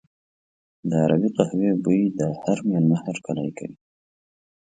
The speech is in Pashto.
د عربي قهوې بوی د هر مېلمه هرکلی کوي.